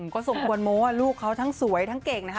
ก็สมควรโม้ลูกเขาทั้งสวยทั้งเก่งนะคะ